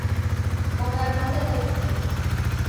Mbogha rose resinga